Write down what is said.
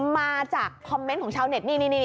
มาจากคอมเมนต์ของชาวเน็ตนี่